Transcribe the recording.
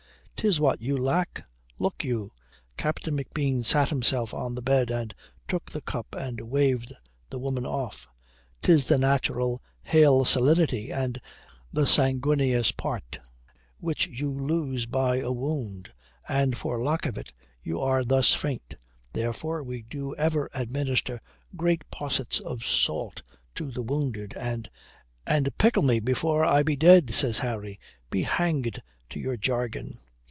"'Tis what you lack, look you." Captain McBean sat himself on the bed and took the cup and waved the woman off. "'Tis the natural, hale salinity and the sanguineous part which you lose by a wound, and for lack of it you are thus faint. Therefore we do ever administer great possets of salt to the wounded, and " "And pickle me before I be dead," says Harry. "Be hanged to your jargon."